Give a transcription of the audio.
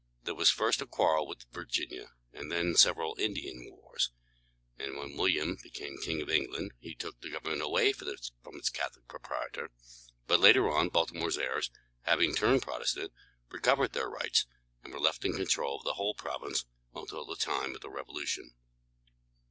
There was first a quarrel with Virginia, and then several Indian wars; and when William became King of England, he took the government away from its Catholic proprietor. But later on, Baltimore's heirs, having turned Protestant, recovered their rights, and were left in control of the whole province until the time of the Revolution.